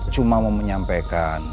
cuma mau menyampaikan